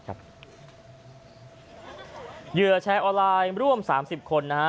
เหยื่อแชร์ออนไลน์ร่วม๓๐คน